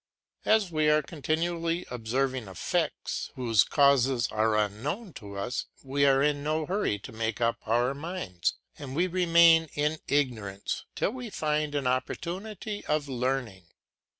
As we are continually observing effects whose causes are unknown to us, we are in no hurry to make up our minds, and we remain in ignorance till we find an opportunity of learning.